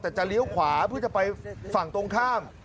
แต่จะเลี้ยวขวาเพื่อจะไปฝั่งตรงข้าม